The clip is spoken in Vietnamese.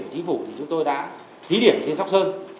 cũ thì chúng tôi đã thí điểm trên sóc sơn